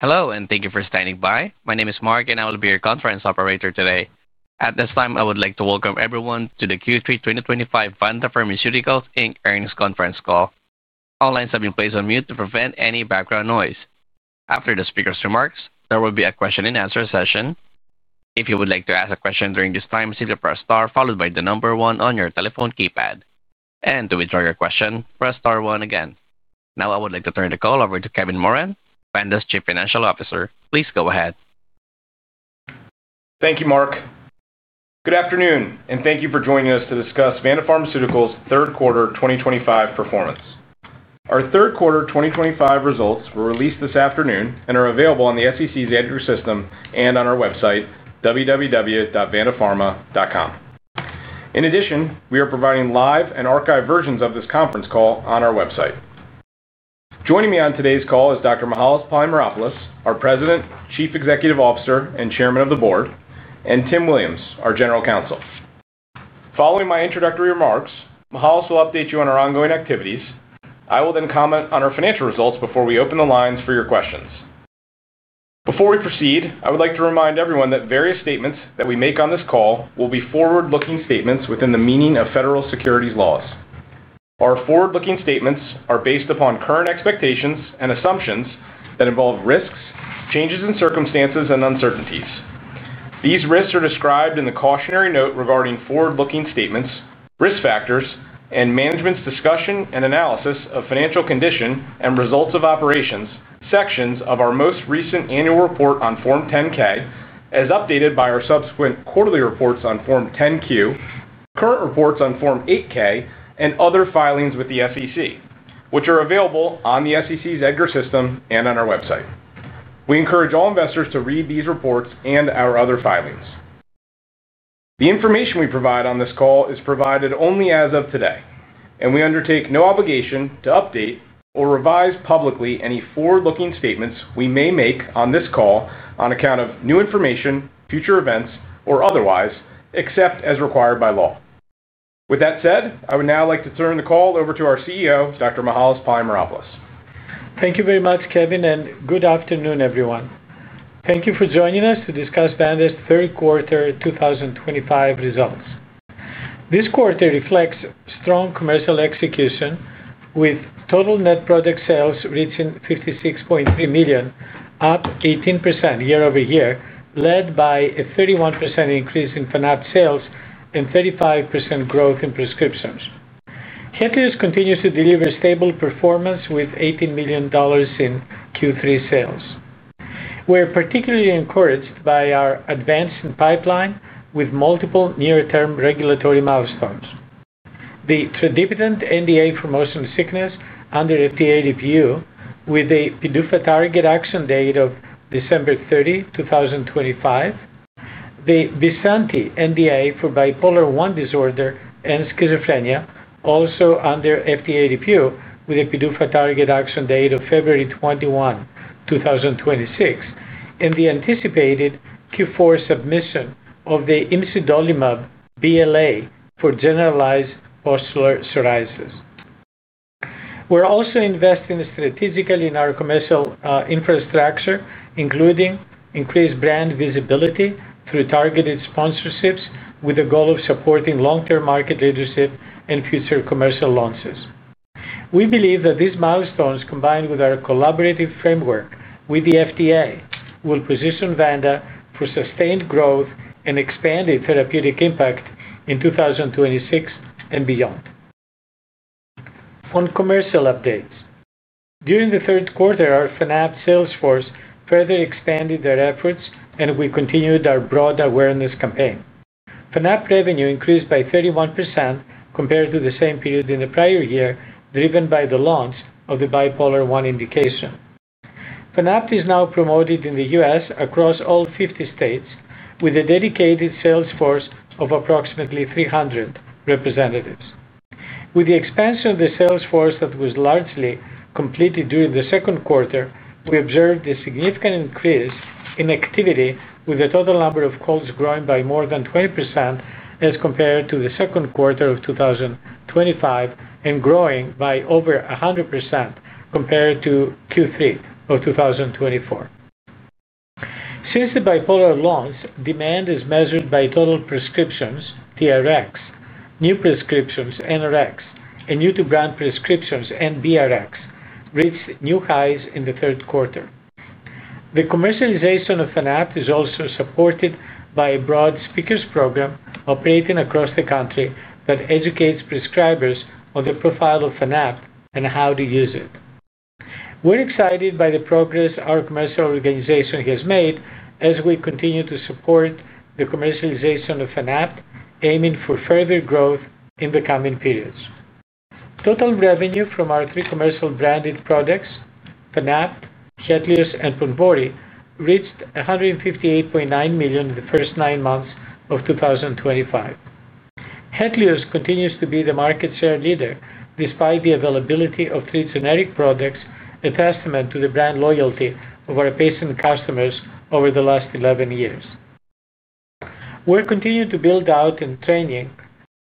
Hello and thank you for standing by. My name is Mark, and I will be your conference operator today. At this time, I would like to welcome everyone to the Q3 2025 Vanda Pharmaceuticals Inc. earnings conference call. All lines have been placed on mute to prevent any background noise. After the speaker's remarks, there will be a question and answer session. If you would like to ask a question during this time, simply press star followed by the number one on your telephone keypad. To withdraw your question, press star one again. Now, I would like to turn the call over to Kevin Moran, Vanda's Chief Financial Officer. Please go ahead. Thank you, Mark. Good afternoon, and thank you for joining us to discuss Vanda Pharmaceuticals' third quarter 2025 performance. Our third quarter 2025 results were released this afternoon and are available on the SEC's EDGAR system and on our website, www.vandapharma.com. In addition, we are providing live and archived versions of this conference call on our website. Joining me on today's call is Dr. Mihael Polymeropoulos, our President, Chief Executive Officer, and Chairman of the Board, and Tim Williams, our General Counsel. Following my introductory remarks, Mihael will update you on our ongoing activities. I will then comment on our financial results before we open the lines for your questions. Before we proceed, I would like to remind everyone that various statements that we make on this call will be forward-looking statements within the meaning of federal securities laws. Our forward-looking statements are based upon current expectations and assumptions that involve risks, changes in circumstances, and uncertainties. These risks are described in the cautionary note regarding forward-looking statements, risk factors, and management's discussion and analysis of financial condition and results of operations, sections of our most recent annual report on Form 10-K, as updated by our subsequent quarterly reports on Form 10-Q, current reports on Form 8-K, and other filings with the SEC, which are available on the SEC's EDGAR system and on our website. We encourage all investors to read these reports and our other filings. The information we provide on this call is provided only as of today, and we undertake no obligation to update or revise publicly any forward-looking statements we may make on this call on account of new information, future events, or otherwise, except as required by law. With that said, I would now like to turn the call over to our CEO, Dr. Mihael Polymeropoulos. Thank you very much, Kevin, and good afternoon, everyone. Thank you for joining us to discuss Vanda's third quarter 2025 results. This quarter reflects strong commercial execution, with total net product sales reaching $56.3 million, up 18% year over year, led by a 31% increase in Fanapt sales and 35% growth in prescriptions. HETLIOZ continues to deliver stable performance with $18 million in Q3 sales. We're particularly encouraged by our advanced pipeline with multiple near-term regulatory milestones. The tradipitant NDA for motion sickness is under FDA review, with a PDUFA target action date of December 30, 2025. The Bysanti NDA for bipolar I disorder and schizophrenia is also under FDA review, with a PDUFA target action date of February 21, 2026, and the anticipated Q4 submission of the imsidolimab BLA for generalized pustular psoriasis. We're also investing strategically in our commercial infrastructure, including increased brand visibility through targeted sponsorships, with the goal of supporting long-term market leadership and future commercial launches. We believe that these milestones, combined with our collaborative framework with the FDA, will position Vanda for sustained growth and expanded therapeutic impact in 2026 and beyond. On commercial updates, during the third quarter, our Fanapt sales force further expanded their efforts, and we continued our broad awareness campaign. Fanapt revenue increased by 31% compared to the same period in the prior year, driven by the launch of the bipolar I indication. Fanapt is now promoted in the U.S. across all 50 states, with a dedicated sales force of approximately 300 representatives. With the expansion of the sales force that was largely completed during the second quarter, we observed a significant increase in activity, with the total number of calls growing by more than 20% as compared to the second quarter of 2025 and growing by over 100% compared to Q3 of 2024. Since the bipolar launch, demand as measured by total prescriptions (TRx), new prescriptions (NRx), and new-to-brand prescriptions (BRx) reached new highs in the third quarter. The commercialization of Fanapt is also supported by a broad speakers program operating across the country that educates prescribers on the profile of Fanapt and how to use it. We're excited by the progress our commercial organization has made as we continue to support the commercialization of Fanapt, aiming for further growth in the coming periods. Total revenue from our three commercial branded products, Fanapt, HETLIOZ, and PONVORY, reached $158.9 million in the first nine months of 2025. HETLIOZ continues to be the market share leader despite the availability of three generic products, a testament to the brand loyalty of our patient customers over the last 11 years. We're continuing to build out and train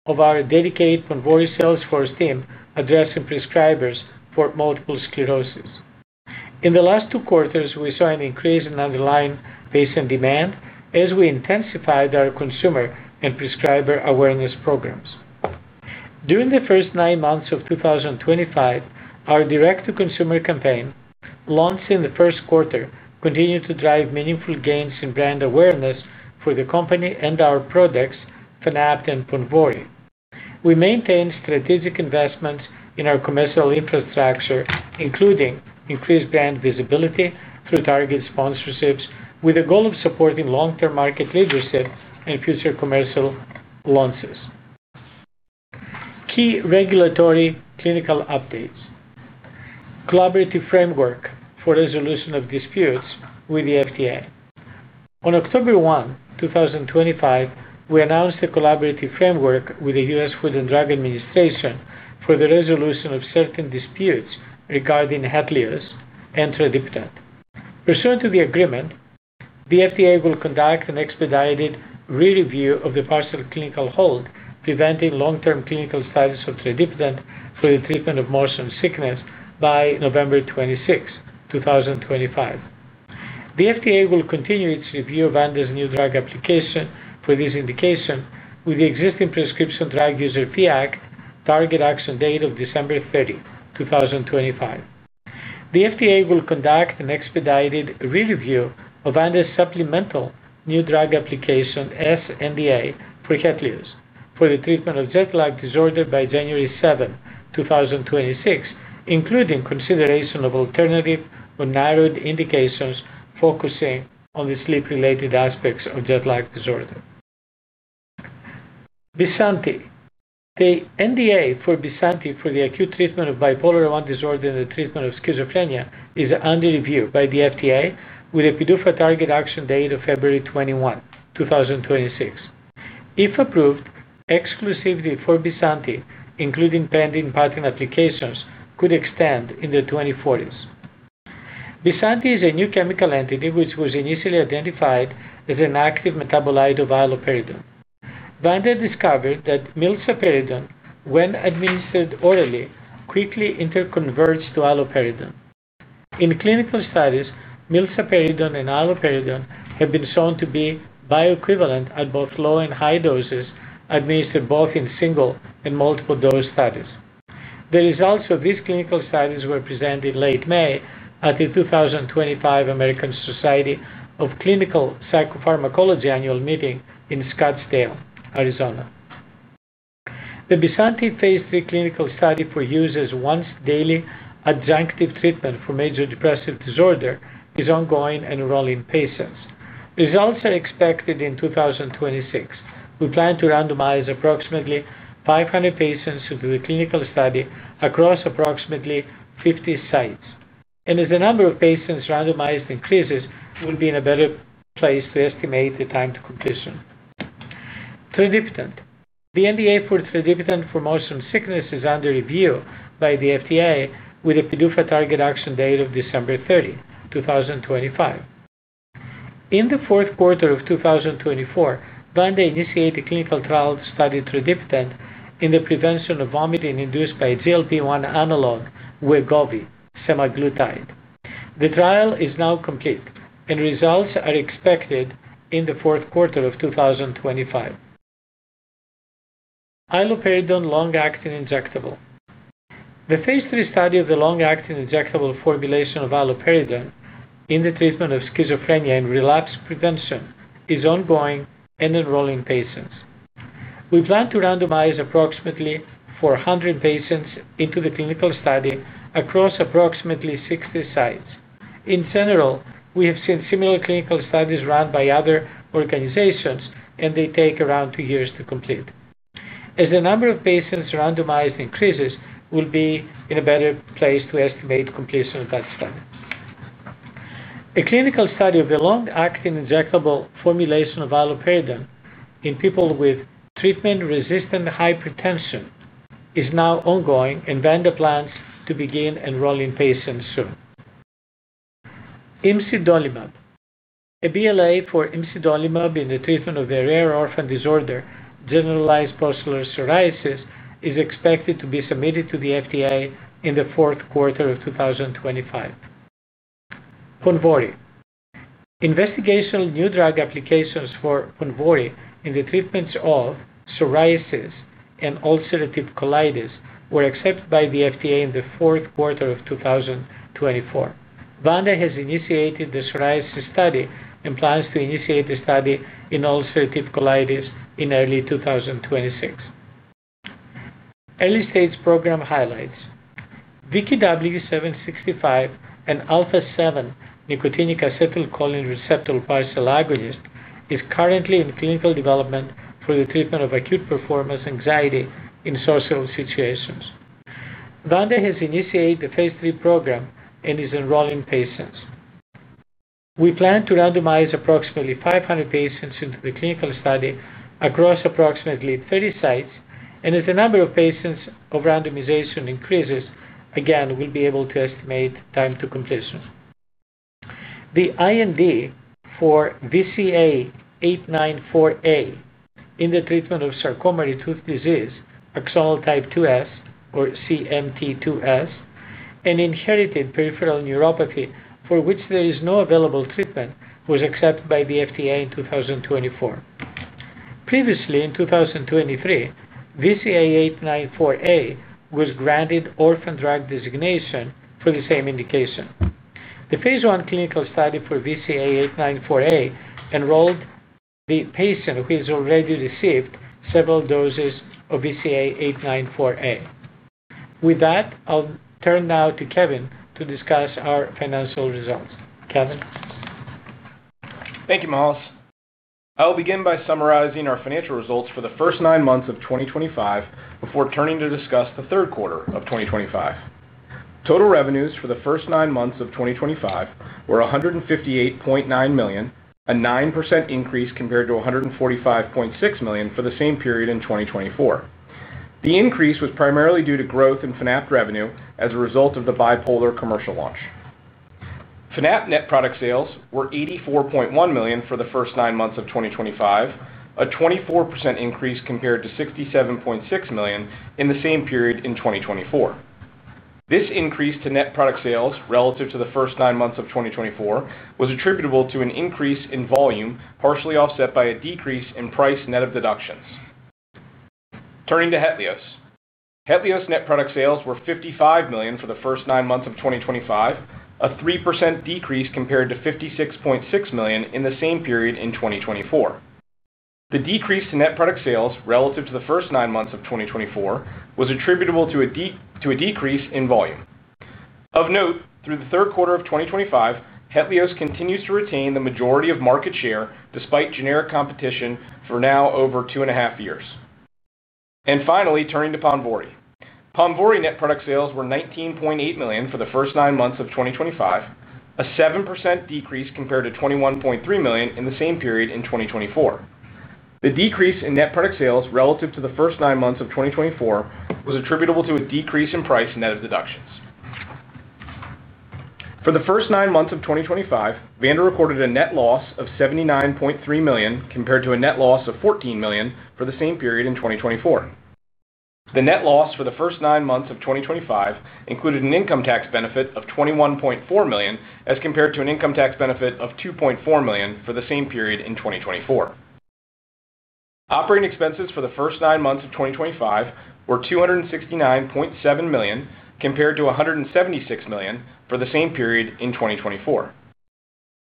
our dedicated PONVORY sales force team addressing prescribers for multiple sclerosis. In the last two quarters, we saw an increase in underlying patient demand as we intensified our consumer and prescriber awareness programs. During the first nine months of 2025, our direct-to-consumer campaign launched in the first quarter continued to drive meaningful gains in brand awareness for the company and our products, Fanapt and PONVORY. We maintained strategic investments in our commercial infrastructure, including increased brand visibility through targeted sponsorships, with the goal of supporting long-term market leadership and future commercial launches. Key regulatory clinical updates. Collaborative framework for resolution of disputes with the FDA. On October 1, 2025, we announced the collaborative framework with the U.S. Food and Drug Administration for the resolution of certain disputes regarding HETLIOZ and tradipitant. Pursuant to the agreement, the FDA will conduct an expedited re-review of the partial clinical hold, preventing long-term clinical status of tradipitant for the treatment of motion sickness by November 26, 2025. The FDA will continue its review of Vanda's New Drug Application for this indication with the existing Prescription Drug User Fee Act target action date of December 30, 2025. The FDA will conduct an expedited re-review of Vanda's supplemental New Drug Application S-NDA for HETLIOZ for the treatment of Jet Lag disorder by January 7, 2026, including consideration of alternative or narrowed indications focusing on the sleep-related aspects of Jet Lag disorder. Bysanti. The NDA for Bysanti for the acute treatment of bipolar I disorder and the treatment of schizophrenia is under review by the FDA with a PDUFA target action date of February 21, 2026. If approved, exclusivity for Bysanti, including pending patent applications, could extend in the 2040s. Bysanti is a new chemical entity which was initially identified as an active metabolite of allopurinol. Vanda discovered that milsapiridone, when administered orally, quickly interconverts to allopurinol. In clinical studies, milsapiridone and allopurinol have been shown to be bioequivalent at both low and high doses, administered both in single and multiple dose studies. The results of these clinical studies were presented in late May at the 2025 American Society of Clinical Psychopharmacology annual meeting in Scottsdale, Arizona. The Bysanti Phase III clinical study for use as once-daily adjunctive treatment for major depressive disorder is ongoing and enrolling patients. Results are expected in 2026. We plan to randomize approximately 500 patients to do the clinical study across approximately 50 sites. As the number of patients randomized increases, we'll be in a better place to estimate the time to completion. Tradipitant. The NDA for tradipitant for motion sickness is under review by the FDA with a PDUFA target action date of December 30, 2025. In the fourth quarter of 2024, Vanda initiated a clinical trial to study tradipitant in the prevention of vomiting induced by GLP-1 analog, Wegovy, semaglutide. The trial is now complete, and results are expected in the fourth quarter of 2025. Allopurinol long-acting injectable. The Phase III study of the long-acting injectable formulation of allopurinol in the treatment of schizophrenia and relapse prevention is ongoing and enrolling patients. We plan to randomize approximately 400 patients into the clinical study across approximately 60 sites. In general, we have seen similar clinical studies run by other organizations, and they take around two years to complete. As the number of patients randomized increases, we'll be in a better place to estimate completion of that study. A clinical study of the long-acting injectable formulation of allopurinol in people with treatment-resistant hypertension is now ongoing, and Vanda plans to begin enrolling patients soon. Imsidolimab. A BLA for imsidolimab in the treatment of the rare orphan disorder, generalized pustular psoriasis, is expected to be submitted to the FDA in the fourth quarter of 2025. PONVORY. Investigational new drug applications for PONVORY in the treatments of psoriasis and ulcerative colitis were accepted by the FDA in the fourth quarter of 2024. Vanda has initiated the psoriasis study and plans to initiate the study in ulcerative colitis in early 2026. Early stage program highlights. VKW-765 and alpha-7 nicotinic acetylcholine receptor bisialogist are currently in clinical development for the treatment of acute performance anxiety in social situations. Vanda has initiated the Phase III program and is enrolling patients. We plan to randomize approximately 500 patients into the clinical study across approximately 30 sites, and as the number of patients of randomization increases, we'll be able to estimate time to completion. The IND for VCA894A in the treatment of sarcomatous disease, axonal type 2S or CMT2S, and inherited peripheral neuropathy for which there is no available treatment was accepted by the FDA in 2024. Previously, in 2023, VCA894A was granted orphan drug designation for the same indication. The Phase I clinical study for VCA894A enrolled the patient who has already received several doses of VCA894A. With that, I'll turn now to Kevin to discuss our financial results. Kevin. Thank you, Mihael. I will begin by summarizing our financial results for the first nine months of 2025 before turning to discuss the third quarter of 2025. Total revenues for the first nine months of 2025 were $158.9 million, a 9% increase compared to $145.6 million for the same period in 2024. The increase was primarily due to growth in Fanapt revenue as a result of the bipolar commercial launch. Fanapt net product sales were $84.1 million for the first nine months of 2025, a 24% increase compared to $67.6 million in the same period in 2024. This increase to net product sales relative to the first nine months of 2024 was attributable to an increase in volume, partially offset by a decrease in price net of deductions. Turning to HETLIOZ, HETLIOZ net product sales were $55 million for the first nine months of 2025, a 3% decrease compared to $56.6 million in the same period in 2024. The decrease to net product sales relative to the first nine months of 2024 was attributable to a decrease in volume. Of note, through the third quarter of 2025, HETLIOZ continues to retain the majority of market share despite generic competition for now over two and a half years. Finally, turning to PONVORY. PONVORY net product sales were $19.8 million for the first nine months of 2025, a 7% decrease compared to $21.3 million in the same period in 2024. The decrease in net product sales relative to the first nine months of 2024 was attributable to a decrease in price net of deductions. For the first nine months of 2025, Vanda recorded a net loss of $79.3 million compared to a net loss of $14 million for the same period in 2024. The net loss for the first nine months of 2025 included an income tax benefit of $21.4 million as compared to an income tax benefit of $2.4 million for the same period in 2024. Operating expenses for the first nine months of 2025 were $269.7 million compared to $176 million for the same period in 2024.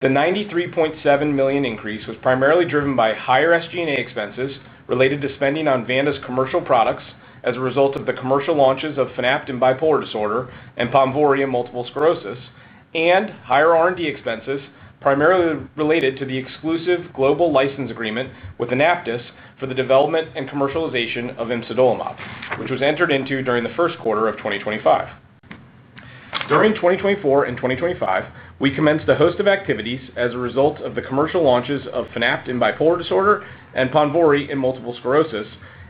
The $93.7 million increase was primarily driven by higher SG&A expenses related to spending on Vanda's commercial products as a result of the commercial launches of Fanapt in bipolar disorder and PONVORY in multiple sclerosis, and higher R&D expenses primarily related to the exclusive global license agreement with Anaptys for the development and commercialization of Imsidolimab, which was entered into during the first quarter of 2025. During 2024 and 2025, we commenced a host of activities as a result of the commercial launches of Fanapt and bipolar I disorder and PONVORY and multiple sclerosis,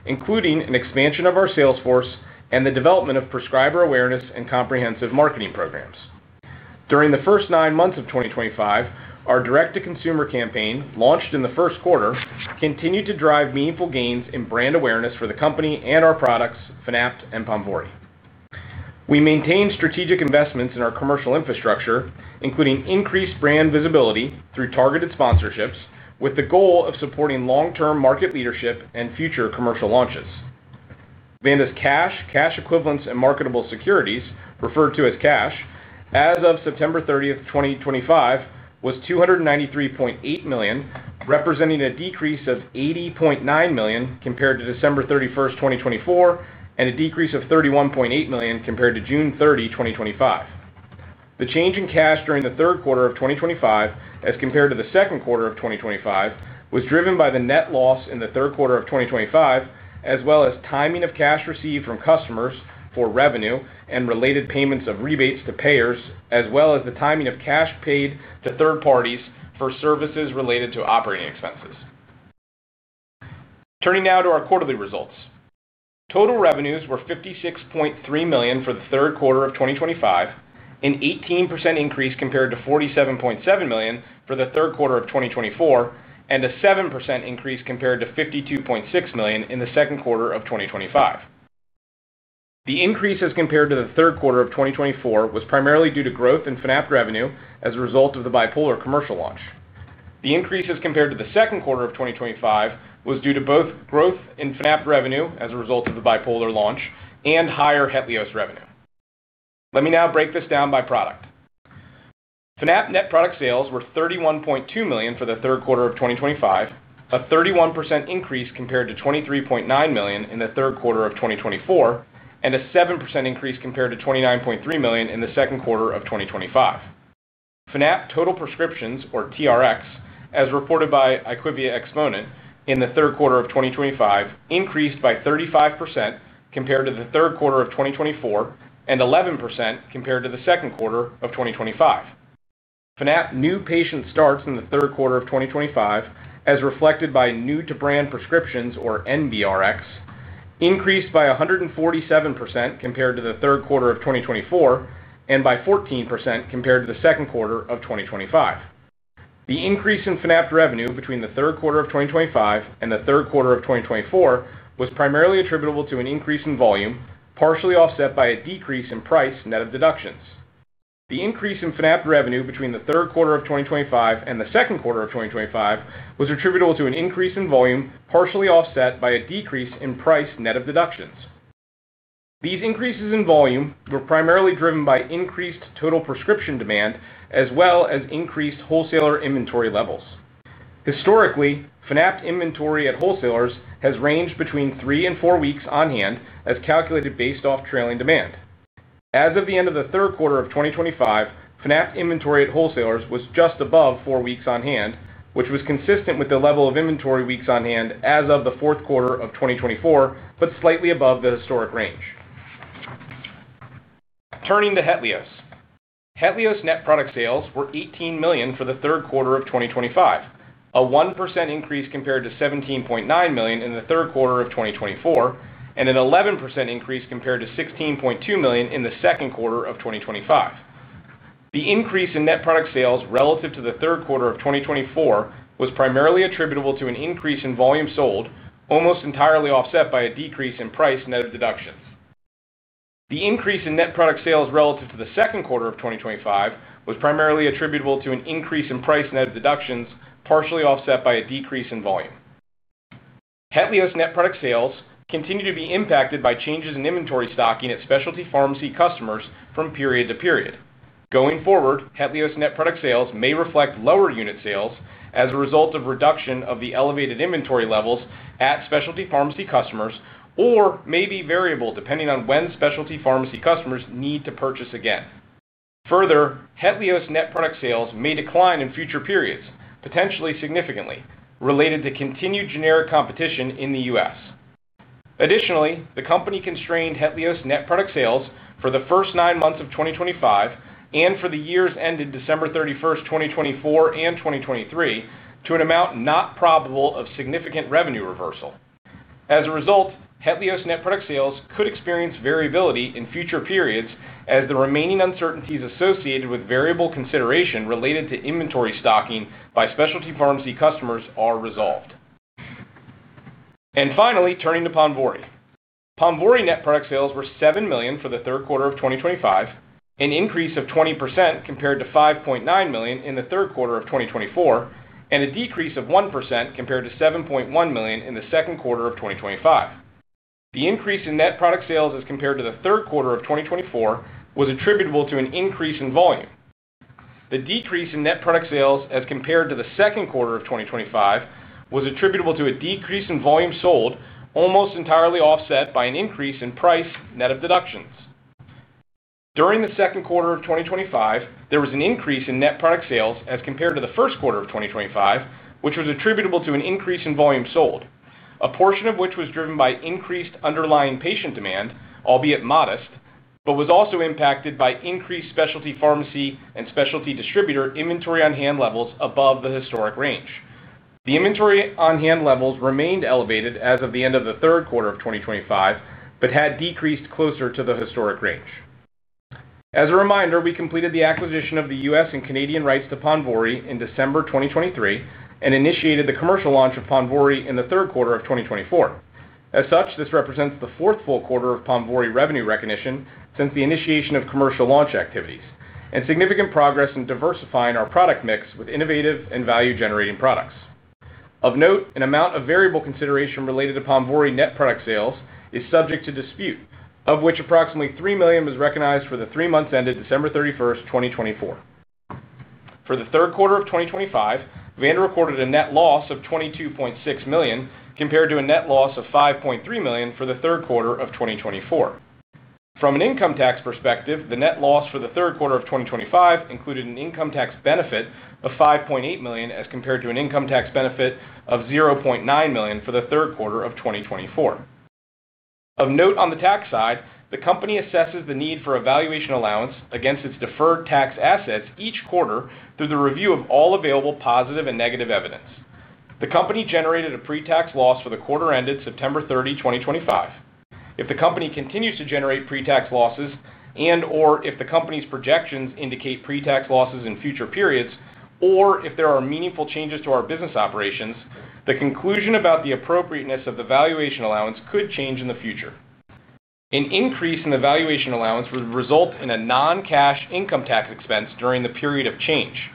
including an expansion of our sales force and the development of prescriber awareness and comprehensive marketing programs. During the first nine months of 2025, our direct-to-consumer campaign launched in the first quarter continued to drive meaningful gains in brand awareness for the company and our products, Fanapt and PONVORY. We maintained strategic investments in our commercial infrastructure, including increased brand visibility through targeted sponsorships, with the goal of supporting long-term market leadership and future commercial launches. Vanda's cash, cash equivalents, and marketable securities, referred to as cash, as of September 30, 2025, was $293.8 million, representing a decrease of $80.9 million compared to December 31, 2024, and a decrease of $31.8 million compared to June 30, 2025. The change in cash during the third quarter of 2025 as compared to the second quarter of 2025 was driven by the net loss in the third quarter of 2025, as well as timing of cash received from customers for revenue and related payments of rebates to payers, as well as the timing of cash paid to third parties for services related to operating expenses. Turning now to our quarterly results. Total revenues were $56.3 million for the third quarter of 2025, an 18% increase compared to $47.7 million for the third quarter of 2024, and a 7% increase compared to $52.6 million in the second quarter of 2025. The increase as compared to the third quarter of 2024 was primarily due to growth in Fanapt revenue as a result of the bipolar commercial launch. The increase as compared to the second quarter of 2025 was due to both growth in Fanapt revenue as a result of the bipolar launch and higher HETLIOZ revenue. Let me now break this down by product. Fanapt net product sales were $31.2 million for the third quarter of 2025, a 31% increase compared to $23.9 million in the third quarter of 2024, and a 7% increase compared to $29.3 million in the second quarter of 2025. Fanapt total prescriptions, or TRx, as reported by IQVIA Exponent in the third quarter of 2025, increased by 35% compared to the third quarter of 2024 and 11% compared to the second quarter of 2025. Fanapt new patient starts in the third quarter of 2025, as reflected by new-to-brand prescriptions, or NBRx, increased by 147% compared to the third quarter of 2024 and by 14% compared to the second quarter of 2025. The increase in Fanapt revenue between the third quarter of 2025 and the third quarter of 2024 was primarily attributable to an increase in volume, partially offset by a decrease in price net of deductions. The increase in Fanapt revenue between the third quarter of 2025 and the second quarter of 2025 was attributable to an increase in volume, partially offset by a decrease in price net of deductions. These increases in volume were primarily driven by increased total prescription demand, as well as increased wholesaler inventory levels. Historically, Fanapt inventory at wholesalers has ranged between three and four weeks on hand, as calculated based off trailing demand. As of the end of the third quarter of 2025, Fanapt inventory at wholesalers was just above four weeks on hand, which was consistent with the level of inventory weeks on hand as of the fourth quarter of 2024, but slightly above the historic range. Turning to HETLIOZ. HETLIOZ net product sales were $18 million for the third quarter of 2025, a 1% increase compared to $17.9 million in the third quarter of 2024, and an 11% increase compared to $16.2 million in the second quarter of 2025. The increase in net product sales relative to the third quarter of 2024 was primarily attributable to an increase in volume sold, almost entirely offset by a decrease in price net of deductions. The increase in net product sales relative to the second quarter of 2025 was primarily attributable to an increase in price net of deductions, partially offset by a decrease in volume. HETLIOZ net product sales continue to be impacted by changes in inventory stocking at specialty pharmacy customers from period to period. Going forward, HETLIOZ net product sales may reflect lower unit sales as a result of reduction of the elevated inventory levels at specialty pharmacy customers or may be variable depending on when specialty pharmacy customers need to purchase again. Further, HETLIOZ net product sales may decline in future periods, potentially significantly, related to continued generic competition in the U.S. Additionally, the company constrained HETLIOZ net product sales for the first nine months of 2025 and for the years ended December 31, 2024, and 2023 to an amount not probable of significant revenue reversal. As a result, HETLIOZ net product sales could experience variability in future periods as the remaining uncertainties associated with variable consideration related to inventory stocking by specialty pharmacy customers are resolved. Finally, turning to PONVORY. PONVORY net product sales were $7 million for the third quarter of 2025, an increase of 20% compared to $5.9 million in the third quarter of 2024, and a decrease of 1% compared to $7.1 million in the second quarter of 2025. The increase in net product sales as compared to the third quarter of 2024 was attributable to an increase in volume. The decrease in net product sales as compared to the second quarter of 2025 was attributable to a decrease in volume sold, almost entirely offset by an increase in price net of deductions. During the second quarter of 2025, there was an increase in net product sales as compared to the first quarter of 2025, which was attributable to an increase in volume sold, a portion of which was driven by increased underlying patient demand, albeit modest, but was also impacted by increased specialty pharmacy and specialty distributor inventory on hand levels above the historic range. The inventory on hand levels remained elevated as of the end of the third quarter of 2025, but had decreased closer to the historic range. As a reminder, we completed the acquisition of the U.S. And Canadian rights to PONVORY in December 2023 and initiated the commercial launch of PONVORY in the third quarter of 2024. As such, this represents the fourth full quarter of PONVORY revenue recognition since the initiation of commercial launch activities and significant progress in diversifying our product mix with innovative and value-generating products. Of note, an amount of variable consideration related to PONVORY net product sales is subject to dispute, of which approximately $3 million was recognized for the three months ended December 31, 2024. For the third quarter of 2025, Vanda recorded a net loss of $22.6 million compared to a net loss of $5.3 million for the third quarter of 2024. From an income tax perspective, the net loss for the third quarter of 2025 included an income tax benefit of $5.8 million as compared to an income tax benefit of $0.9 million for the third quarter of 2024. On the tax side, the company assesses the need for a valuation allowance against its deferred tax assets each quarter through the review of all available positive and negative evidence. The company generated a pre-tax loss for the quarter ended September 30, 2025. If the company continues to generate pre-tax losses and/or if the company's projections indicate pre-tax losses in future periods or if there are meaningful changes to our business operations, the conclusion about the appropriateness of the valuation allowance could change in the future. An increase in the valuation allowance would result in a non-cash income tax expense during the period of change.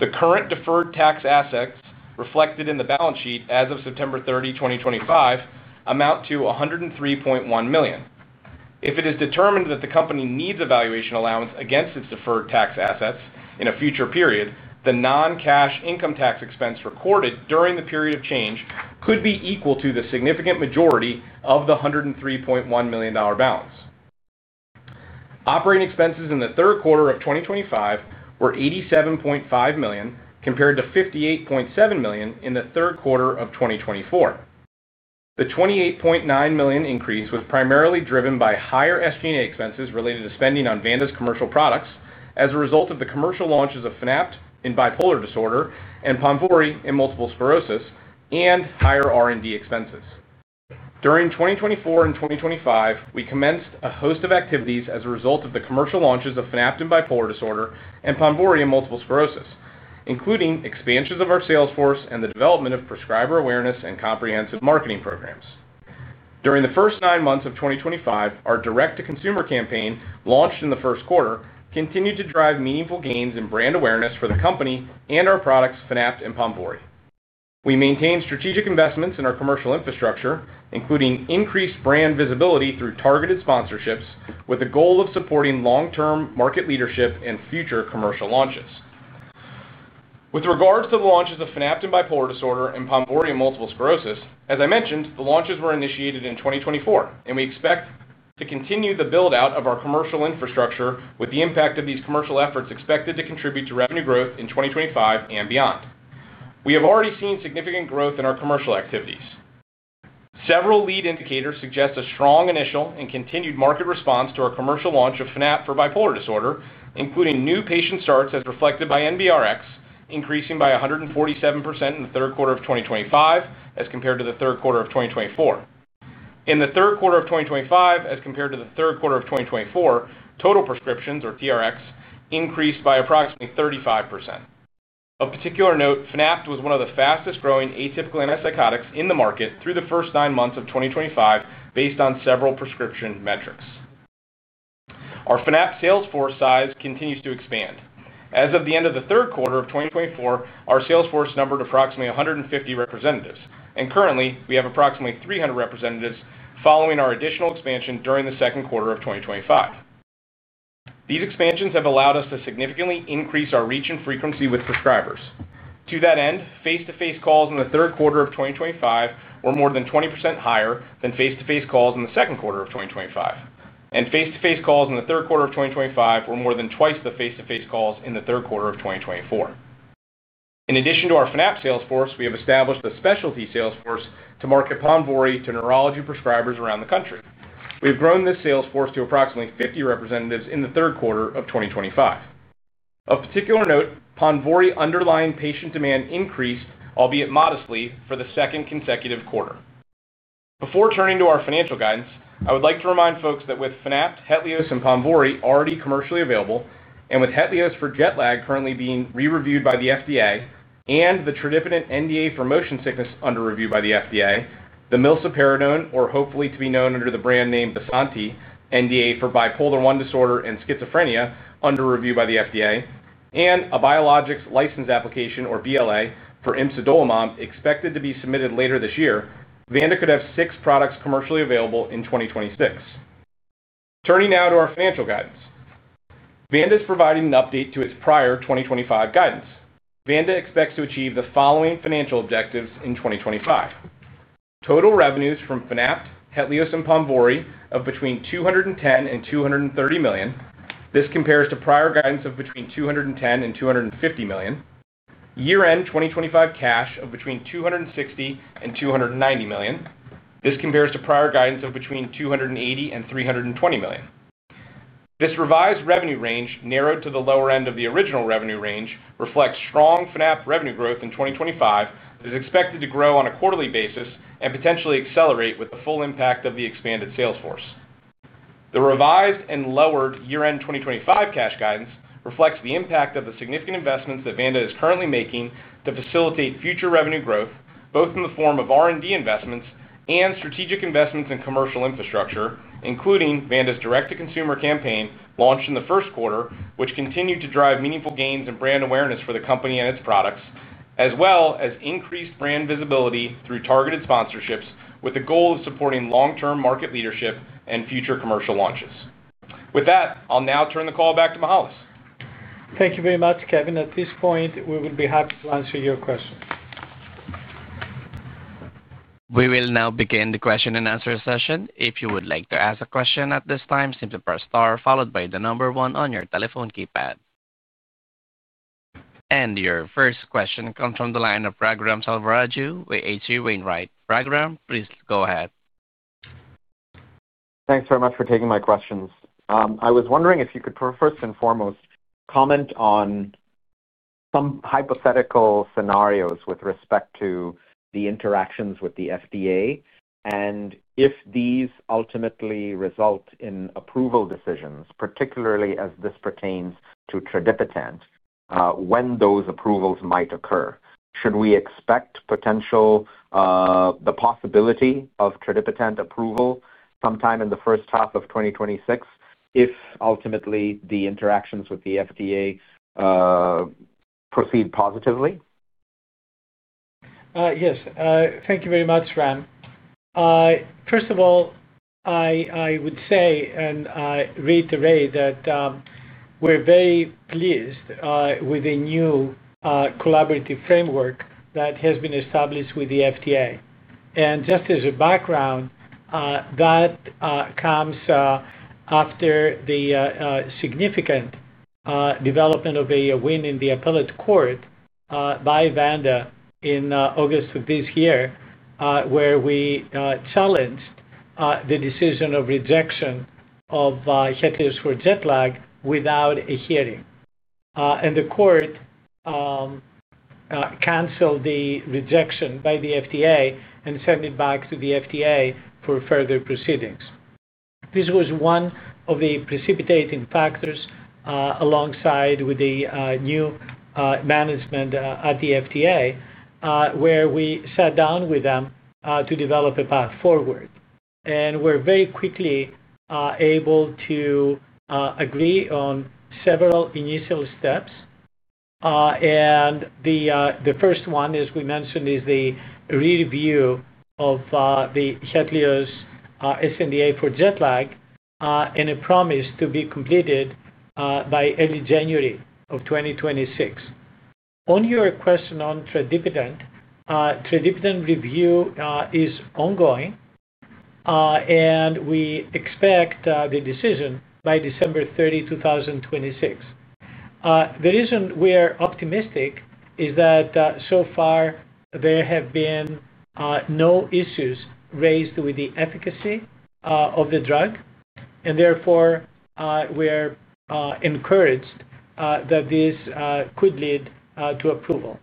The current deferred tax assets reflected in the balance sheet as of September 30, 2025, amount to $103.1 million. If it is determined that the company needs a valuation allowance against its deferred tax assets in a future period, the non-cash income tax expense recorded during the period of change could be equal to the significant majority of the $103.1 million balance. Operating expenses in the third quarter of 2025 were $87.5 million compared to $58.7 million in the third quarter of 2024. The $28.9 million increase was primarily driven by higher SG&A expenses related to spending on Vanda's commercial products as a result of the commercial launches of Fanapt and bipolar I disorder and PONVORY and multiple sclerosis and higher R&D expenses. During 2024 and 2025, we commenced a host of activities as a result of the commercial launches of Fanapt and bipolar I disorder and PONVORY and multiple sclerosis, including expansions of our sales force and the development of prescriber awareness and comprehensive marketing programs. During the first nine months of 2025, our direct-to-consumer campaign launched in the first quarter continued to drive meaningful gains in brand awareness for the company and our products, Fanapt and PONVORY. We maintained strategic investments in our commercial infrastructure, including increased brand visibility through targeted sponsorships, with the goal of supporting long-term market leadership and future commercial launches. With regards to the launches of Fanapt and bipolar I disorder and PONVORY and multiple sclerosis, as I mentioned, the launches were initiated in 2024, and we expect to continue the build-out of our commercial infrastructure with the impact of these commercial efforts expected to contribute to revenue growth in 2025 and beyond. We have already seen significant growth in our commercial activities. Several lead indicators suggest a strong initial and continued market response to our commercial launch of Fanapt for bipolar disorder, including new patient starts as reflected by NBRx, increasing by 147% in the third quarter of 2025 as compared to the third quarter of 2024. In the third quarter of 2025 as compared to the third quarter of 2024, total prescriptions, or TRx, increased by approximately 35%. Of particular note, Fanapt was one of the fastest growing atypical antipsychotics in the market through the first nine months of 2025 based on several prescription metrics. Our Fanapt sales force size continues to expand. As of the end of the third quarter of 2024, our sales force numbered approximately 150 representatives, and currently, we have approximately 300 representatives following our additional expansion during the second quarter of 2025. These expansions have allowed us to significantly increase our reach and frequency with prescribers. To that end, face-to-face calls in the third quarter of 2025 were more than 20% higher than face-to-face calls in the second quarter of 2025, and face-to-face calls in the third quarter of 2025 were more than twice the face-to-face calls in the third quarter of 2024. In addition to our Fanapt sales force, we have established a specialty sales force to market PONVORY to neurology prescribers around the country. We have grown this sales force to approximately 50 representatives in the third quarter of 2025. Of particular note, PONVORY underlying patient demand increased, albeit modestly, for the second consecutive quarter. Before turning to our financial guidance, I would like to remind folks that with Fanapt, HETLIOZ, and PONVORY already commercially available, and with HETLIOZ for Jet Lag currently being re-reviewed by the FDA, and the tradipitant NDA for motion sickness under review by the FDA, the milsapiridone, or hopefully to be known under the brand name Bysanti, NDA for bipolar I disorder and schizophrenia under review by the FDA, and a Biologics License Application, or BLA, for imsidolimab expected to be submitted later this year, Vanda could have six products commercially available in 2026. Turning now to our financial guidance. Vanda is providing an update to its prior 2025 guidance. Vanda expects to achieve the following financial objectives in 2025. Total revenues from Fanapt, HETLIOZ, and PONVORY of between $210 million-$230 million. This compares to prior guidance of between $210 million-$250 million. Year-end 2025 cash of between $260 million-$290 million. This compares to prior guidance of between $280 million-$320 million. This revised revenue range, narrowed to the lower end of the original revenue range, reflects strong Fanapt revenue growth in 2025 that is expected to grow on a quarterly basis and potentially accelerate with the full impact of the expanded sales force. The revised and lowered year-end 2025 cash guidance reflects the impact of the significant investments that Vanda is currently making to facilitate future revenue growth, both in the form of R&D investments and strategic investments in commercial infrastructure, including Vanda's direct-to-consumer campaign launched in the first quarter, which continued to drive meaningful gains in brand awareness for the company and its products, as well as increased brand visibility through targeted sponsorships with the goal of supporting long-term market leadership and future commercial launches. With that, I'll now turn the call back to Mihael. Thank you very much, Kevin. At this point, we will be happy to answer your questions. We will now begin the question and answer session. If you would like to ask a question at this time, simply press star followed by the number one on your telephone keypad. Your first question comes from the line of Raghuram Selvaraju with H.C. Wainwright. Raghuram, please go ahead. Thanks very much for taking my questions. I was wondering if you could first and foremost comment on some hypothetical scenarios with respect to the interactions with the FDA and if these ultimately result in approval decisions, particularly as this pertains to tradipitant, when those approvals might occur. Should we expect the possibility of tradipitant approval sometime in the first half of 2026 if ultimately the interactions with the FDA proceed positively? Yes. Thank you very much, Ram. First of all, I would say and I reiterate that we're very pleased with the new collaborative framework that has been established with the FDA. Just as a background, that comes after the significant development of a win in the appellate court by Vanda in August of this year, where we challenged the decision of rejection of HETLIOZ for Jet Lag without a hearing. The court canceled the rejection by the FDA and sent it back to the FDA for further proceedings. This was one of the precipitating factors, alongside with the new management at the FDA, where we sat down with them to develop a path forward. We're very quickly able to agree on several initial steps. The first one, as we mentioned, is the re-review of the HETLIOZ sNDA for Jet Lag and a promise to be completed by early January of 2026. On your question on tradipitant, tradipitant review is ongoing, and we expect the decision by December 30, 2026. The reason we are optimistic is that, so far, there have been no issues raised with the efficacy of the drug, and therefore, we're encouraged that this could lead to approval.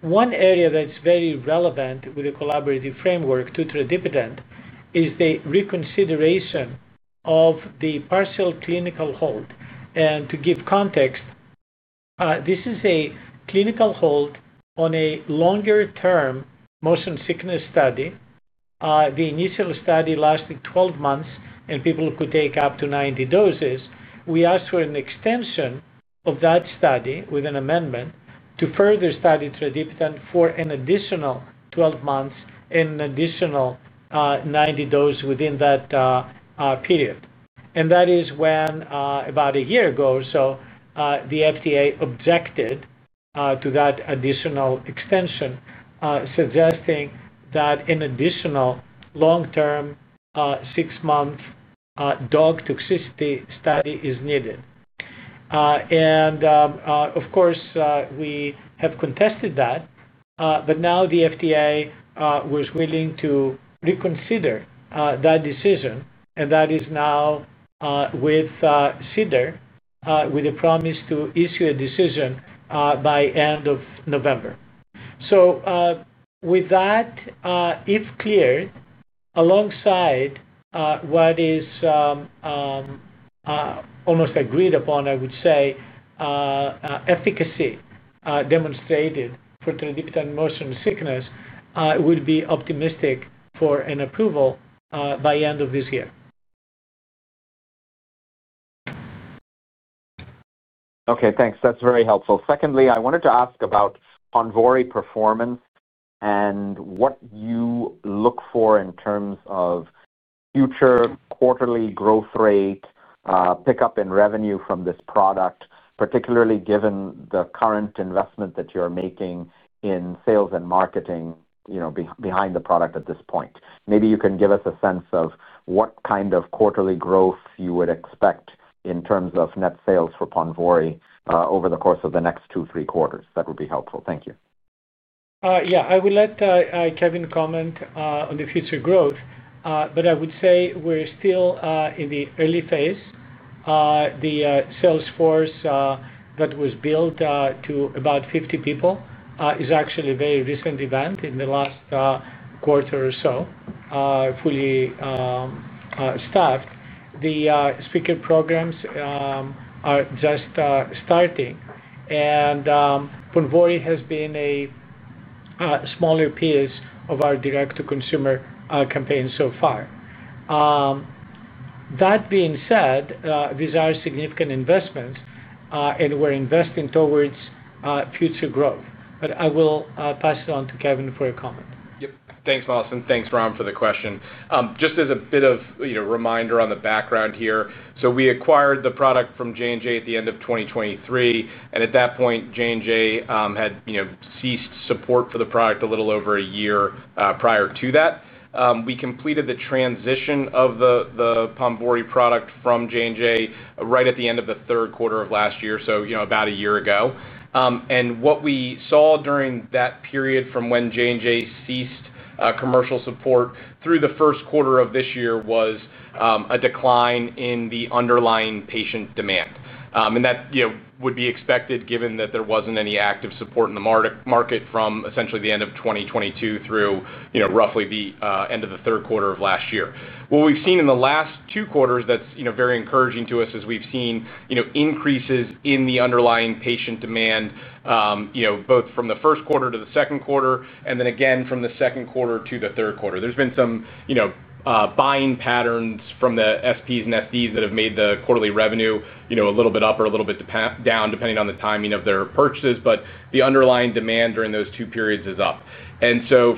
One area that's very relevant with the collaborative framework to tradipitant is the reconsideration of the partial clinical hold. To give context, this is a clinical hold on a longer-term motion sickness study. The initial study lasted 12 months, and people could take up to 90 doses. We asked for an extension of that study with an amendment to further study tradipitant for an additional 12 months and an additional 90 doses within that period. That is when, about a year ago or so, the FDA objected to that additional extension, suggesting that an additional long-term, six-month, dog toxicity study is needed. Of course, we have contested that, but now the FDA was willing to reconsider that decision, and that is now with CDER, with a promise to issue a decision by the end of November. If cleared, alongside what is almost agreed upon, I would say, efficacy demonstrated for tradipitant motion sickness, we'll be optimistic for an approval by the end of this year. Okay. Thanks. That's very helpful. Secondly, I wanted to ask about PONVORY performance and what you look for in terms of future quarterly growth rate, pickup in revenue from this product, particularly given the current investment that you're making in sales and marketing, you know, behind the product at this point. Maybe you can give us a sense of what kind of quarterly growth you would expect in terms of net sales for PONVORY over the course of the next two, three quarters. That would be helpful. Thank you. Yeah. I will let Kevin comment on the future growth, but I would say we're still in the early phase. The sales force that was built to about 50 people is actually a very recent event. In the last quarter or so, fully staffed. The speaker programs are just starting, and PONVORY has been a smaller piece of our direct-to-consumer campaign so far. That being said, these are significant investments, and we're investing towards future growth. I will pass it on to Kevin for a comment. Yep. Thanks, Mihael, and thanks, Ram, for the question. Just as a bit of reminder on the background here, we acquired the product from J&J at the end of 2023, and at that point, J&J had ceased support for the product a little over a year prior to that. We completed the transition of the PONVORY product from J&J right at the end of the third quarter of last year, so about a year ago. What we saw during that period from when J&J ceased commercial support through the first quarter of this year was a decline in the underlying patient demand. That would be expected given that there wasn't any active support in the market from essentially the end of 2022 through roughly the end of the third quarter of last year. What we've seen in the last two quarters that's very encouraging to us is we've seen increases in the underlying patient demand, both from the first quarter to the second quarter, and then again from the second quarter to the third quarter. There have been some buying patterns from the SPs and SDs that have made the quarterly revenue a little bit up or a little bit down depending on the timing of their purchases, but the underlying demand during those two periods is up.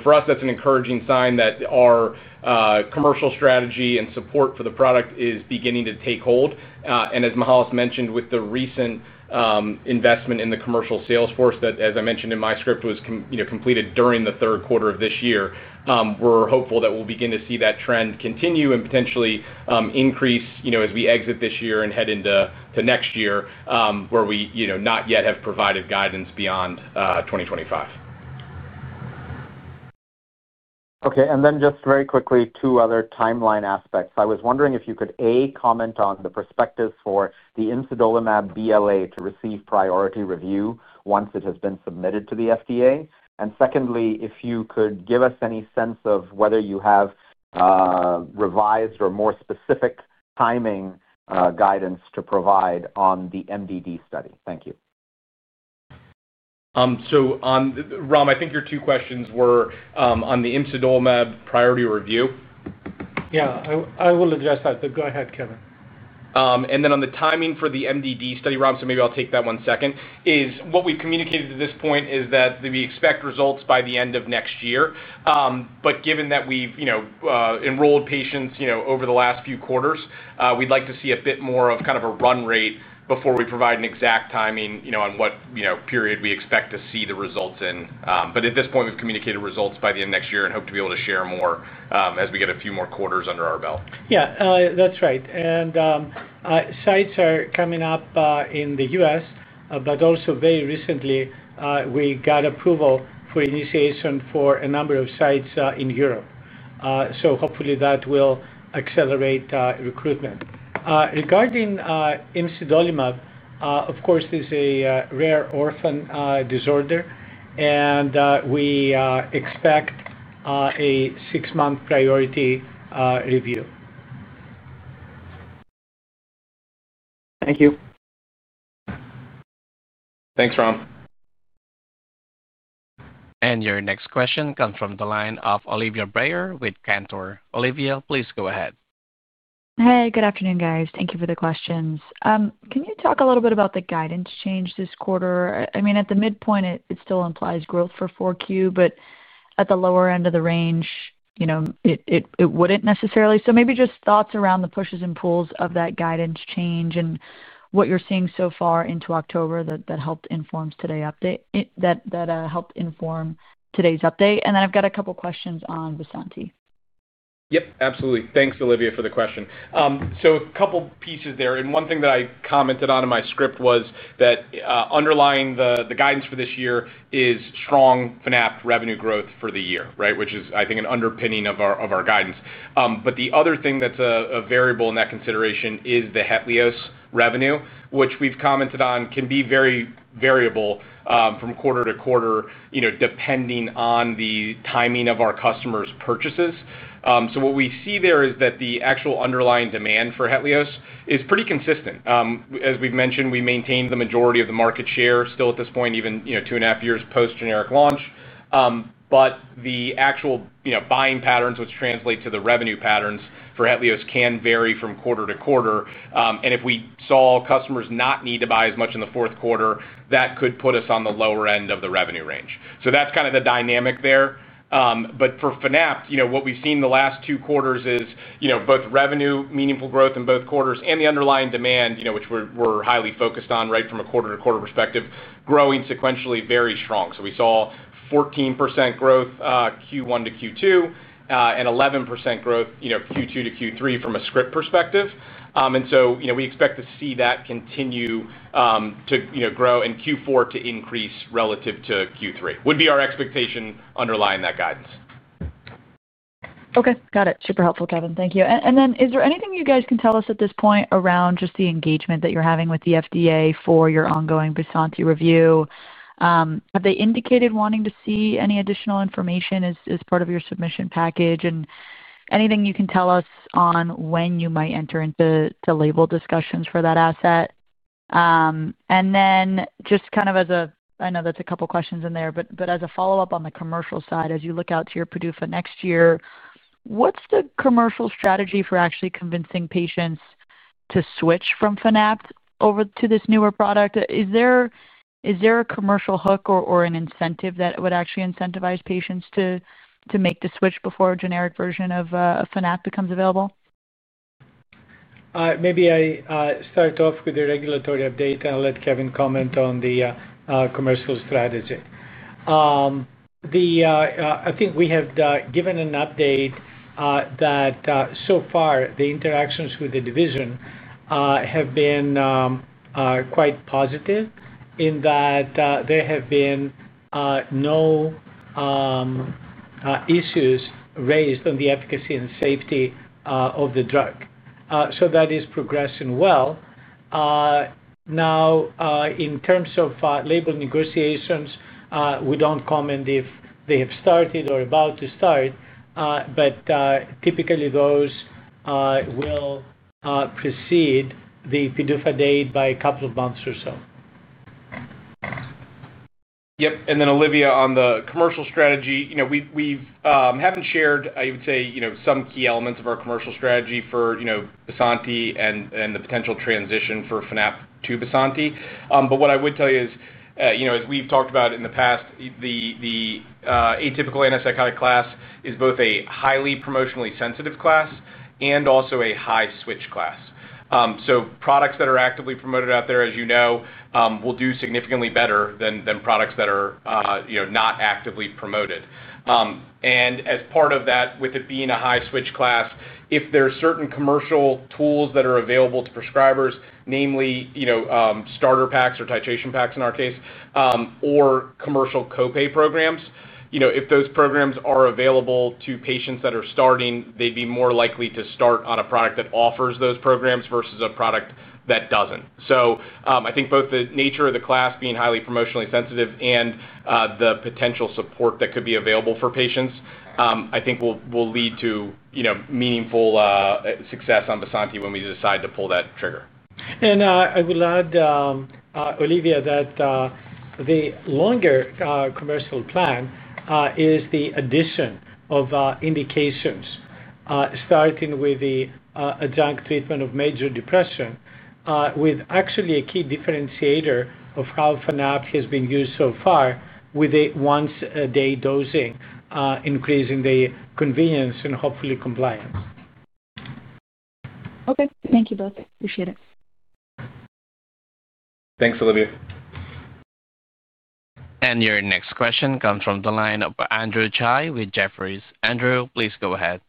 For us, that's an encouraging sign that our commercial strategy and support for the product is beginning to take hold. As Mihael mentioned, with the recent investment in the commercial sales force that, as I mentioned in my script, was completed during the third quarter of this year, we're hopeful that we'll begin to see that trend continue and potentially increase as we exit this year and head into next year, where we have not yet provided guidance beyond 2025. Okay. And then just very quickly, two other timeline aspects. I was wondering if you could, A, comment on the perspectives for the imsidolimab BLA to receive priority review once it has been submitted to the FDA. Secondly, if you could give us any sense of whether you have revised or more specific timing guidance to provide on the MDD study. Thank you. I think your two questions were on the Imsidolimab priority review. I will address that. Go ahead, Kevin. On the timing for the MDD study, Ram, what we've communicated at this point is that we expect results by the end of next year. Given that we've enrolled patients over the last few quarters, we'd like to see a bit more of a run rate before we provide an exact timing on what period we expect to see the results in. At this point, we've communicated results by the end of next year and hope to be able to share more as we get a few more quarters under our belt. That's right. Sites are coming up in the U.S., but also very recently, we got approval for initiation for a number of sites in Europe. Hopefully, that will accelerate recruitment. Regarding Imsidolimab, of course, it's a rare orphan disorder, and we expect a six-month priority review. Thank you. Thanks, Ram. Your next question comes from the line of Olivia Brayer with Cantor. Olivia, please go ahead. Hi. Good afternoon, guys. Thank you for the questions. Can you talk a little bit about the guidance change this quarter? I mean, at the midpoint, it still implies growth for 4Q, but at the lower end of the range, you know it wouldn't necessarily. Maybe just thoughts around the pushes and pulls of that guidance change and what you're seeing so far into October that helped inform today's update. I've got a couple of questions on Bysanti. Yep. Absolutely. Thanks, Olivia, for the question. A couple of pieces there. One thing that I commented on in my script was that underlying the guidance for this year is strong Fanapt revenue growth for the year, which is, I think, an underpinning of our guidance. The other thing that's a variable in that consideration is the HETLIOZ revenue, which we've commented on can be very variable from quarter to quarter, depending on the timing of our customers' purchases. What we see there is that the actual underlying demand for HETLIOZ is pretty consistent. As we've mentioned, we maintain the majority of the market share still at this point, even two and a half years post-generic launch. The actual buying patterns, which translate to the revenue patterns for HETLIOZ, can vary from quarter to quarter. If we saw customers not need to buy as much in the fourth quarter, that could put us on the lower end of the revenue range. That's kind of the dynamic there. For Fanapt, what we've seen in the last two quarters is both revenue meaningful growth in both quarters and the underlying demand, which we're highly focused on from a quarter-to-quarter perspective, growing sequentially very strong. We saw 14% growth Q1 to Q2 and 11% growth Q2 to Q3 from a script perspective. We expect to see that continue to grow in Q4 to increase relative to Q3. Would be our expectation underlying that guidance. Okay. Got it. Super helpful, Kevin. Thank you. Is there anything you guys can tell us at this point around just the engagement that you're having with the FDA for your ongoing Bysanti review? Have they indicated wanting to see any additional information as part of your submission package? Anything you can tell us on when you might enter into label discussions for that asset? As a follow-up on the commercial side, as you look out to your PDUFA next year, what's the commercial strategy for actually convincing patients to switch from Fanapt over to this newer product? Is there a commercial hook or an incentive that would actually incentivize patients to make the switch before a generic version of Fanapt becomes available? Maybe I start off with the regulatory update, and I'll let Kevin comment on the commercial strategy. I think we have given an update that so far the interactions with the division have been quite positive in that there have been no issues raised on the efficacy and safety of the drug. That is progressing well. In terms of label negotiations, we don't comment if they have started or are about to start, but typically, those will precede the PDUFA date by a couple of months or so. Yep. Olivia, on the commercial strategy, we haven't shared some key elements of our commercial strategy for Bysanti and the potential transition for Fanapt to Bysanti. What I would tell you is, as we've talked about in the past, the atypical antipsychotic class is both a highly promotionally sensitive class and also a high-switch class. Products that are actively promoted out there, as you know, will do significantly better than products that are not actively promoted. As part of that, with it being a high-switch class, if there are certain commercial tools that are available to prescribers, namely starter packs or titration packs in our case, or commercial copay programs, if those programs are available to patients that are starting, they'd be more likely to start on a product that offers those programs versus a product that doesn't. I think both the nature of the class being highly promotionally sensitive and the potential support that could be available for patients will lead to meaningful success on Bysanti when we decide to pull that trigger. I will add, Olivia, that the longer commercial plan is the addition of indications, starting with the adjunct treatment of major depression, with actually a key differentiator of how Fanapt has been used so far with a once-a-day dosing, increasing the convenience and hopefully compliance. Okay, thank you both. Appreciate it. Thanks, Olivia. Your next question comes from the line of Andrew Chai with Jefferies. Andrew, please go ahead.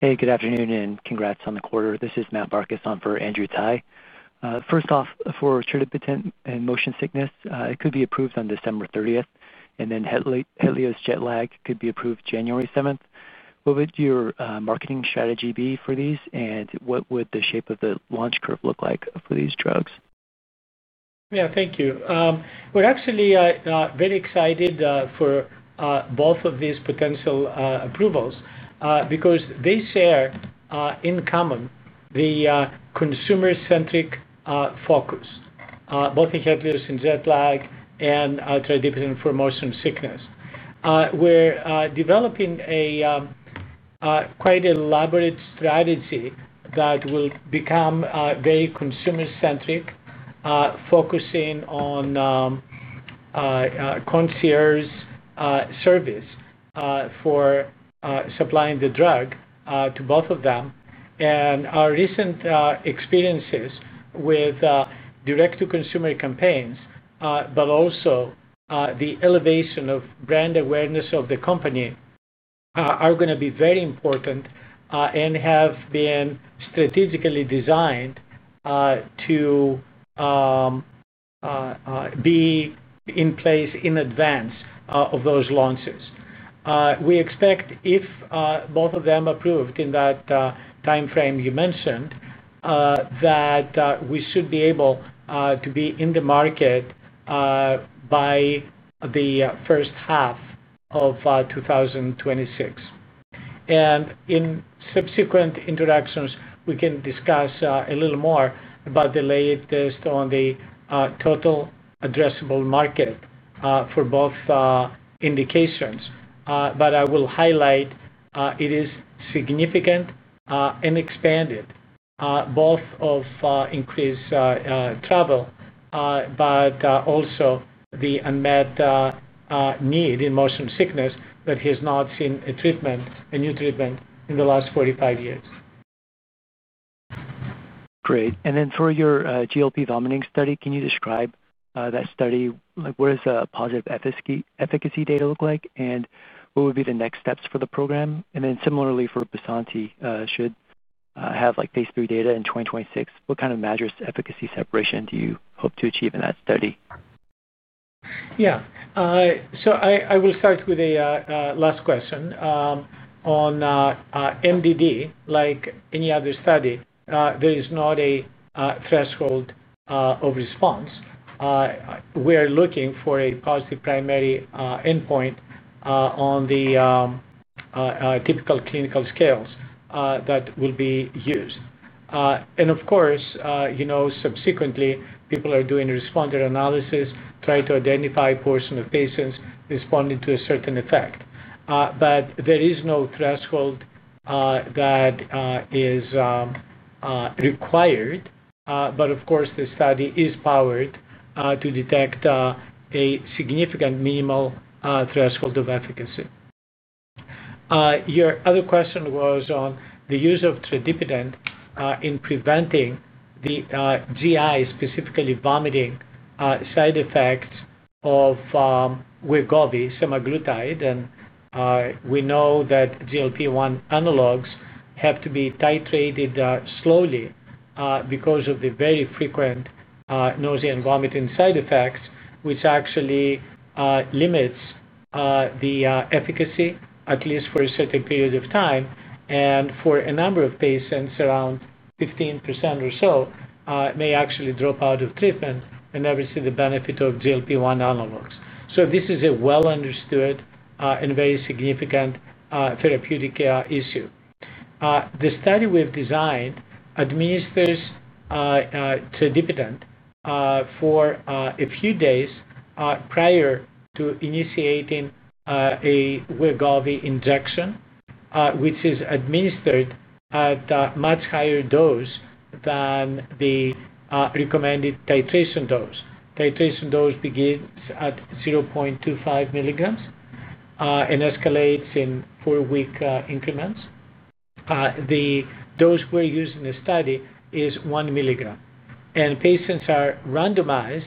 Hey, good afternoon, and congrats on the quarter. This is Matt Barcus on for Andrew Chai. First off, for tradipitant and motion sickness, it could be approved on December 30th, and then HETLIOZ Jet Lag could be approved January 7th. What would your marketing strategy be for these, and what would the shape of the launch curve look like for these drugs? Yeah. Thank you. We're actually very excited for both of these potential approvals because they share in common the consumer-centric focus, both in HETLIOZ and Jet Lag and tradipitant for motion sickness. We're developing a quite elaborate strategy that will become very consumer-centric, focusing on concierge service for supplying the drug to both of them. Our recent experiences with direct-to-consumer campaigns, but also the elevation of brand awareness of the company, are going to be very important and have been strategically designed to be in place in advance of those launches. We expect, if both of them approved in that timeframe you mentioned, that we should be able to be in the market by the first half of 2026. In subsequent interactions, we can discuss a little more about the latest on the total addressable market for both indications. I will highlight it is significant and expanded, both of increased travel, but also the unmet need in motion sickness that has not seen a new treatment in the last 45 years. Great. For your GLP vomiting study, can you describe that study? What does the positive efficacy data look like, and what would be the next steps for the program? Similarly, for Bysanti, should have Phase III data in 2026, what kind of measures efficacy separation do you hope to achieve in that study? Yeah. I will start with the last question. On MDD, like any other study, there is not a threshold of response. We're looking for a positive primary endpoint on the typical clinical scales that will be used. Of course, you know, subsequently, people are doing responder analysis, trying to identify a portion of patients responding to a certain effect. There is no threshold that is required. Of course, the study is powered to detect a significant minimal threshold of efficacy. Your other question was on the use of tradipitant in preventing the GI, specifically vomiting, side effects of Wegovy, semaglutide. We know that GLP-1 analogs have to be titrated slowly because of the very frequent nausea and vomiting side effects, which actually limits the efficacy, at least for a certain period of time. For a number of patients, around 15% or so, may actually drop out of treatment and never see the benefit of GLP-1 analogs. This is a well-understood and very significant therapeutic issue. The study we've designed administers tradipitant for a few days prior to initiating a Wegovy injection, which is administered at a much higher dose than the recommended titration dose. Titration dose begins at 0.25 milligrams and escalates in four-week increments. The dose we're using in the study is one milligram. Patients are randomized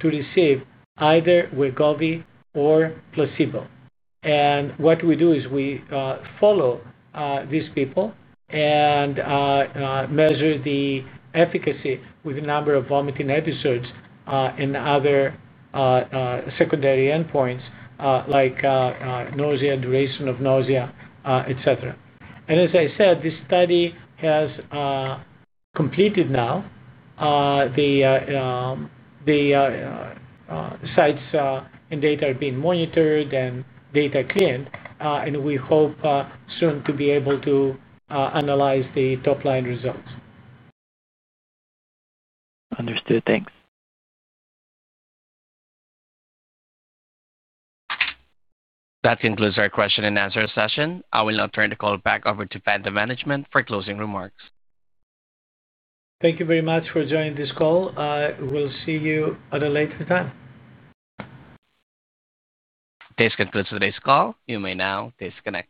to receive either Wegovy or placebo. What we do is we follow these people and measure the efficacy with the number of vomiting episodes and other secondary endpoints like nausea, duration of nausea, etc. As I said, this study has completed now. The sites and data are being monitored and data cleared, and we hope soon to be able to analyze the top-line results. Understood. Thanks. That concludes our question and answer session. I will now turn the call back over to Vanda Management for closing remarks. Thank you very much for joining this call. We'll see you at a later time. This concludes today's call. You may now disconnect.